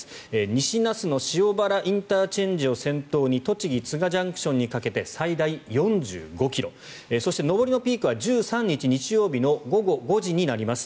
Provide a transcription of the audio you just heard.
西那須野塩原ＩＣを先頭に栃木都賀ＪＣＴにかけて最大４５ｋｍそして上りのピークは１３日日曜日の午後５時になります。